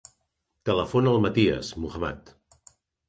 Telefona al Matías Muhammad.